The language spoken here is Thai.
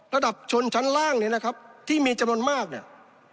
ระดับชนชั้นล่างเนี่ยนะครับที่มีจำนวนมากเนี่ย